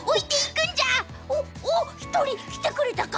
おっおお１人きてくれたか。